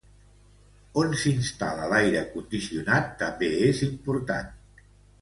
On s’instal·la l’aire condicionat també és important.